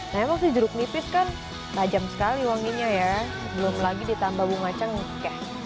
nah emang sih jeruk nipis kan tajam sekali wanginya ya belum lagi ditambah bunga cengkeh